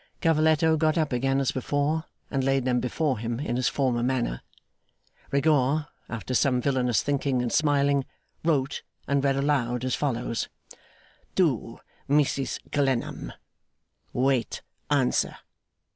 Cavalletto got up again as before, and laid them before him in his former manner. Rigaud, after some villainous thinking and smiling, wrote, and read aloud, as follows: 'To MRS CLENNAM. 'Wait answer.